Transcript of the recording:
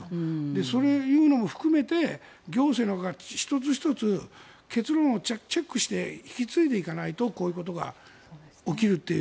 そういうのも含めて行政が１つ１つ結論をチェックして引き継いでいかないとこういうことが起きるという。